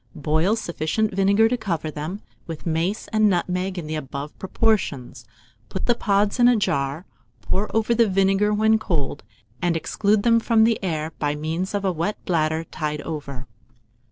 Boil sufficient vinegar to cover them, with mace and nutmeg in the above proportions; put the pods in a jar, pour over the vinegar when cold, and exclude them from the air by means of a wet bladder tied over.